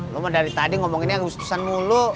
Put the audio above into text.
lo mah dari tadi ngomonginnya agustusan mulu